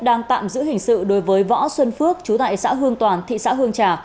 đang tạm giữ hình sự đối với võ xuân phước chú tại xã hương toàn thị xã hương trà